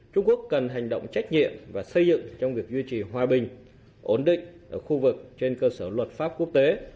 trung quốc cần hành động trách nhiệm và xây dựng trong việc duy trì hòa bình ổn định ở khu vực trên cơ sở luật pháp quốc tế